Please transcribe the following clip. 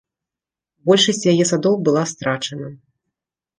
Большасць яе садоў была страчана.